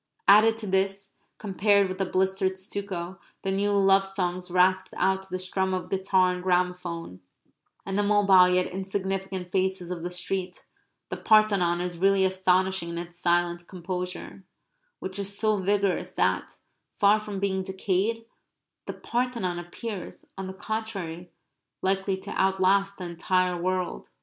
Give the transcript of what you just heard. Added to this, compared with the blistered stucco, the new love songs rasped out to the strum of guitar and gramophone, and the mobile yet insignificant faces of the street, the Parthenon is really astonishing in its silent composure; which is so vigorous that, far from being decayed, the Parthenon appears, on the contrary, likely to outlast the entire world.